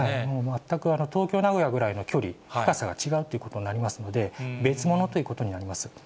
全く、東京・名古屋ぐらいの距離、深さが違うっていうことになりますので、別物ということになります。